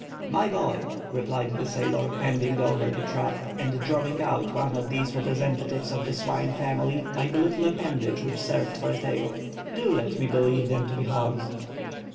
"My boy," replied the sailor, handing over the trap and drawing out one of these representatives of the swine family by the little appendage which served for a tail, "do let me believe them to be hogs."